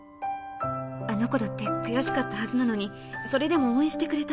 あの子だって悔しかったはずなのに、それでも応援してくれた。